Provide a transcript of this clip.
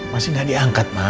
masih gak diangkat mak